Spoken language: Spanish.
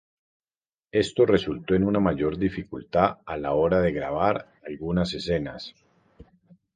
Esto resultó en una mayor dificultad a la hora de grabar algunas escenas.